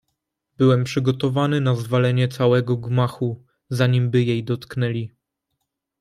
"Byłem przygotowany na zwalenie całego gmachu, zanimby jej dotknęli."